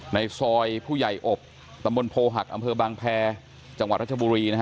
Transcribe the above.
ในซอยผู้ใหญ่อบตำบลโพหักอำเภอบางแพรจังหวัดรัชบุรีนะฮะ